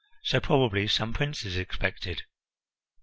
So probably some prince is expected."